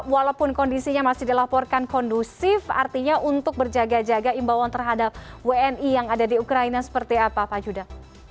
walaupun kondisinya masih dilaporkan kondusif artinya untuk berjaga jaga imbauan terhadap wni yang ada di ukraina seperti apa pak judah